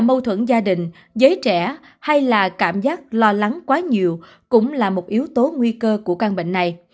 mâu thuẫn gia đình giới trẻ hay là cảm giác lo lắng quá nhiều cũng là một yếu tố nguy cơ của căn bệnh này